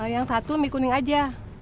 yang satu mie kuning aja